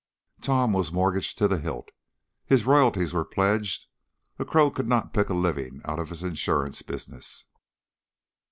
Tom was mortgaged to the hilt, his royalties were pledged; a crow could not pick a living out of his insurance business.